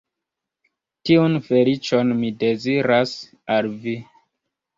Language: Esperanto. Tiun feliĉon mi deziras al vi.